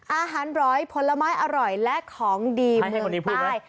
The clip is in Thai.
อาหารร้อยผลไม้อร่อยและของดีเมืองใต้